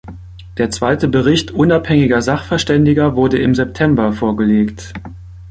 Der zweite Bericht Unabhängiger Sachverständiger wurde im September vorgelegt.